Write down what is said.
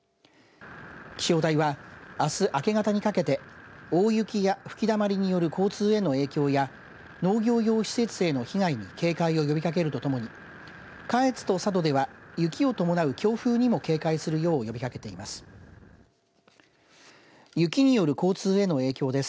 気象台は、あす明け方にかけて大雪や吹きだまりによる交通への影響や農業用施設への被害に警戒を呼びかけるとともに下越と佐渡では雪を伴う強風にも警戒するよう呼びかけています。